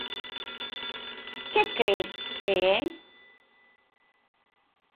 Que cres que é?